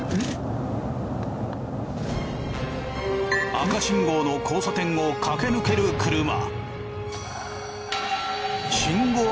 赤信号の交差点を駆け抜ける車。